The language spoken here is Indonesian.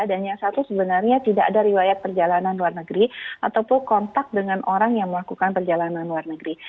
dan yang satu sebenarnya tidak ada riwayat perjalanan luar negeri ataupun kontak dengan orang yang melakukan perjalanan luar negeri